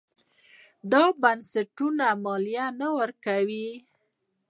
دا بنسټونه مالیه نه ورکوي.